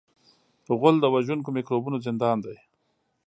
غول د وژونکو میکروبونو زندان دی.